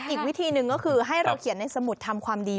อีกวิธีหนึ่งก็คือให้เราเขียนในสมุดทำความดี